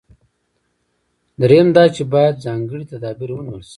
درېیم دا چې باید ځانګړي تدابیر ونیول شي.